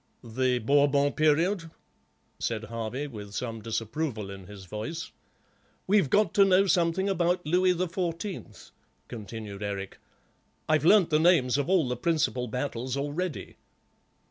"The Bourbon period," said Harvey, with some disapproval in his voice. "We've got to know something about Louis the Fourteenth," continued Eric; "I've learnt the names of all the principal battles already."